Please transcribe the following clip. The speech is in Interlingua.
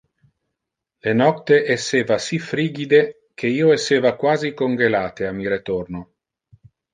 Le nocte esseva si frigide que io esseva quasi congelate a mi retorno.